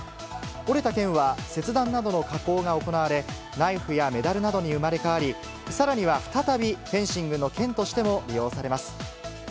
折れた剣は、切断などの加工が行われ、ナイフやメダルなどに生まれ変わり、さらには再び、フェンシングの剣としても利用されます。